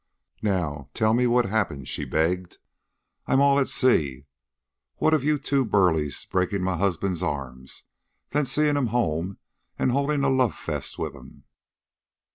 "Now tell me what happened," she begged. "I'm all at sea, what of you two burleys breaking my husband's arms, then seeing him home and holding a love fest with him."